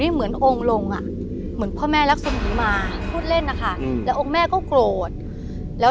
ห๊ะ